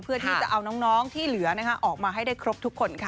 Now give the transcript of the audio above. เพื่อที่จะเอาน้องที่เหลือออกมาให้ได้ครบทุกคนค่ะ